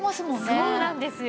そうなんですよ。